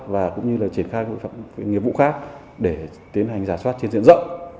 và cũng như là triển khai các nhiệm vụ khác để tiến hành rào soát trên diện rộng